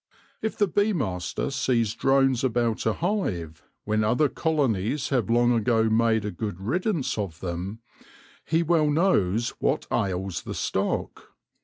If the bee master sees drones about a hive, when other colonies have long ago made a good riddance of them, he well knows what ails the stock.